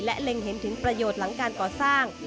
และเล็งเห็นถึงประโยชน์หลังการก่อสร้าง